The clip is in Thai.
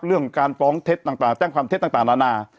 เรื่องการฟ้องเท็จต่างแจ้งความเท็จต่างนานา